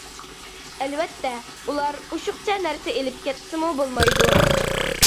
ئەلۋەتتە، ئۇلار ئوشۇقچە نەرسە ئېلىپ كەتسىمۇ بولمايدۇ.